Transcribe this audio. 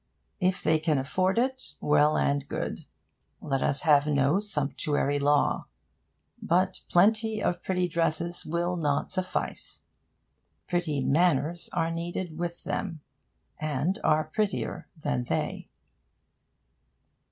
If they can afford it, well and good: let us have no sumptuary law. But plenty of pretty dresses will not suffice. Pretty manners are needed with them, and are prettier than they.